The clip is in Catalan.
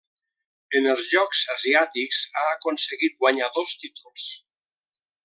En els Jocs Asiàtics ha aconseguit guanyar dos títols.